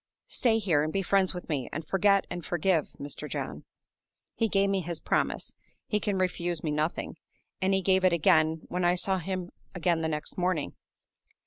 Stay here, and be friends with me, and forget and forgive, Mr. John.' He gave me his promise (he can refuse me nothing); and he gave it again when I saw him again the next morning.